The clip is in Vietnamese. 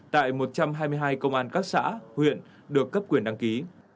tại một trăm hai mươi hai công an các xã huyện được cấp quyền đăng ký